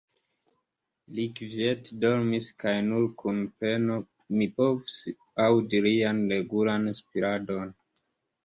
Li kviete dormis kaj nur kun peno mi povsi aŭdi lian regulan spiradon.